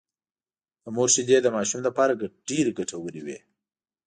د مور شېدې د ماشوم لپاره ډېرې ګټورې وي